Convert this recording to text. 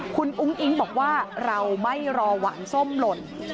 คุณอุ้งอิ๊งบอกว่าเราไม่รอหวานส้มหล่น